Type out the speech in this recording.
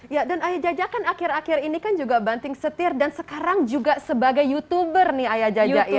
ya dan ayah jaja kan akhir akhir ini kan juga banting setir dan sekarang juga sebagai youtuber nih ayah jaja ya